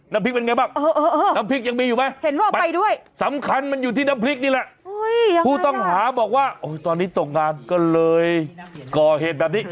น้ำพริกเป็นไงบ้างน้ำพริกยังมีอยู่ไหมสำคัญมันอยู่ที่น้ำพริกนี่แหละผู้ต้องหาบอกว่าตอนนี้ตกงานก็เลยก่อเหตุแบบนี้